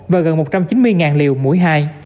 và gần một trăm chín mươi liều mũi hai